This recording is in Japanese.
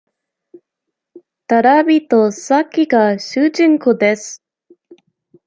直人崎が主人公です。